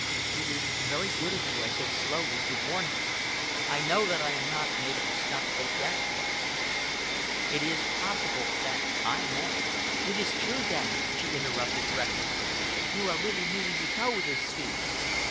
"It is very good of you," I said slowly, "to warn me. I know that I am not made of the stuff that Guest was. It is possible that I may " "It is true, then," she interrupted breathlessly, "you are really meaning to go with his schemes?"